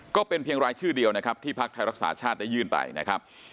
ก็เป็นเพียงรายชื่อเดียวนะครับที่พักไทยรักษาชาติได้ยื่นไปนะครับ